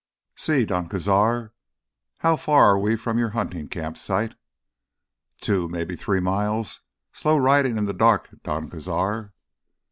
"Sí, Don Cazar?" "How far are we from your hunting camp site?" "Two, maybe three miles. Slow riding in the dark, Don Cazar."